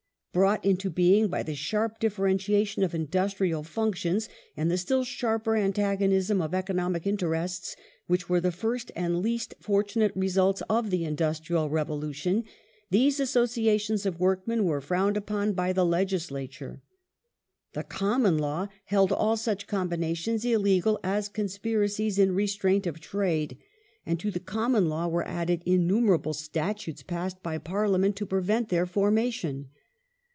Brought into being by the sharp differentiation of industrial functions, and the still sharper antagonism of economic interests, which were the first and least fortunate results of the Industrial Revolution, these associations of workmen were frowned upon by the legislature. 1 The Common Law held all such combinations illegal as " conspiracies in restraint of trade," and to the Common Law were added innumerable Statutes passed by Parliament to prevent their formation.